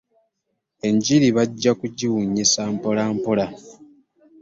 Enjiri bajja kugibunyisa mpola mpola.